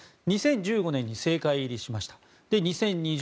２０１５年に政界入りしました。